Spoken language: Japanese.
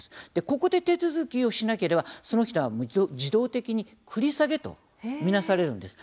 ここで手続きをしなければその人は自動的に繰り下げと見なされるんです。